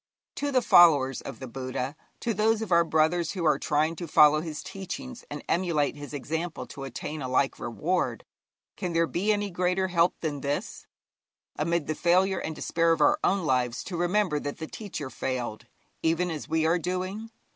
To the followers of the Buddha, to those of our brothers who are trying to follow his teachings and emulate his example to attain a like reward, can there be any greater help than this: amid the failure and despair of our own lives to remember that the teacher failed, even as we are doing?